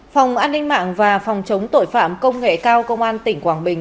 phòng an ninh mạng và phòng chống tội phạm công nghệ cao công an tỉnh quảng bình